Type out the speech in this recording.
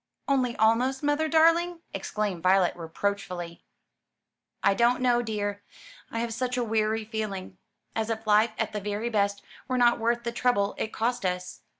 "Only almost, mother darling?" exclaimed Violet reproachfully. "I don't know, dear. I have such a weary feeling; as if life at the very best were not worth the trouble it cost us.